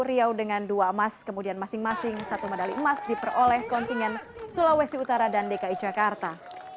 riau dengan dua emas kemudian masing masing satu medali emas diperoleh kontingen sulawesi utara dan dki jakarta